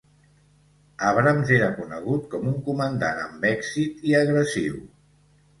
Abrams era conegut com un comandant amb èxit i agressiu.